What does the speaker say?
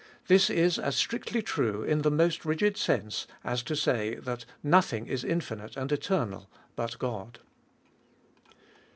This is as strictly true in the most rig id sense, as to say that nothing is infinite and eter nal but God.